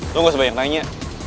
lo gak usah banyak nanya